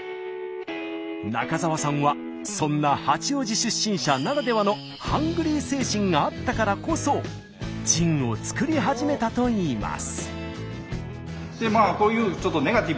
中澤さんはそんな八王子出身者ならではのハングリー精神があったからこそジンを造り始めたといいます。